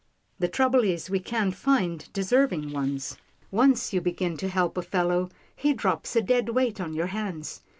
The trouble is we can't find deserving ones. Once you begin to help a fellow, he drops a dead weight on your hands.